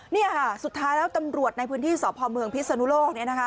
นี่ค่ะสุดท้ายแล้วตำรวจในพื้นที่สพเมืองพิศนุโลก